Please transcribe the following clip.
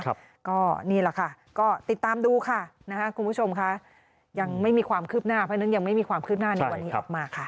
ก็นี่แหละค่ะก็ติดตามดูค่ะคุณผู้ชมค่ะยังไม่มีความคืบหน้าเพราะฉะนั้นยังไม่มีความคืบหน้าในวันนี้ออกมาค่ะ